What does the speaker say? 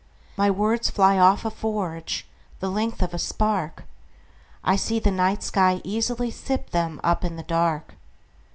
My words fly off a forgeThe length of a spark;I see the night sky easily sip themUp in the dark.